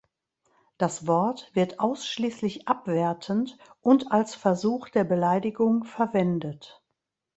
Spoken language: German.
Das Wort wird ausschließlich abwertend und als Versuch der Beleidigung verwendet.